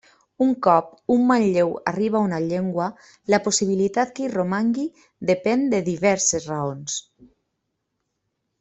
Un cop un manlleu arriba a una llengua, la possibilitat que hi romangui depèn de diverses raons.